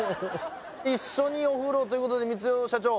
一緒にお風呂ということで光代社長